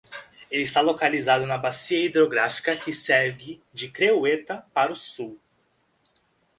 Ele está localizado na bacia hidrográfica que segue de Creueta para o sul.